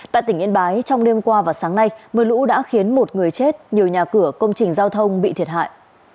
tại tỉnh yên bái trong đêm qua và sáng nay mưa lũ đã khiến một người chết nhiều nhà cửa công trình giao thông bị thiệt hại